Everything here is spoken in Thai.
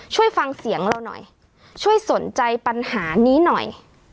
ช่วยฟังเสียงเราหน่อยช่วยสนใจปัญหานี้หน่อย